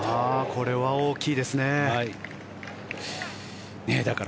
これは大きいですね。